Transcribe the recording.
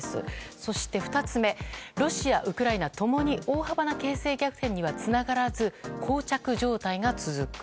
そして２つ目ロシア、ウクライナともに大幅な形勢逆転にはつながらず膠着状態が続く。